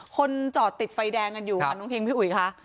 คนจอดติดไฟแดงกันอยู่ค่ะน้องเฮงพี่อุ๋ยค่ะ